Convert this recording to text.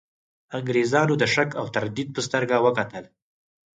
انګرېزانو د شک او تردید په سترګه وکتل.